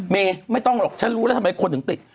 ไม่ต้องหรอกฉันรู้แล้วทำไมคนถึงติด